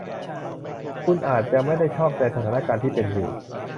คุณอาจจะไม่ได้ชอบใจสถานการณ์ที่เป็นอยู่